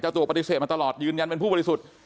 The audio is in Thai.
ตัวปฏิเสธมาตลอดยืนยันเป็นผู้บริสุทธิ์